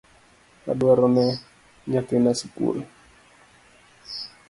Adwarone nyathina sikul